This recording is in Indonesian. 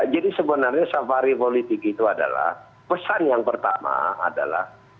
jadi sebenarnya safari politik itu adalah pesan yang pertama adalah